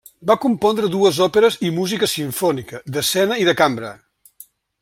Va compondre dues òperes i música simfònica, d'escena i de cambra.